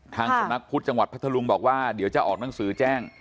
ทางสำนักพุทธจังหวัดพัทธลุงบอกว่าเดี๋ยวจะออกหนังสือแจ้ง